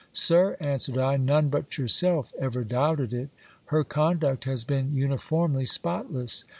Sir, answered I, none but yourself ever doubted it. Her conduct has been uniformly spotless.